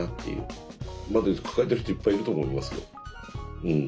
まあだけど抱えている人いっぱいいると思いますようん。